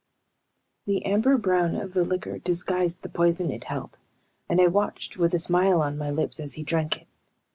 The amber brown of the liquor disguised the poison it held, and I watched with a smile on my lips as he drank it.